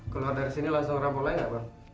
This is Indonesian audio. kalau anda dari sini langsung ramah boleh nggak bang